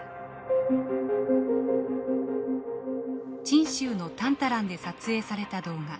チン州のタンタランで撮影された動画。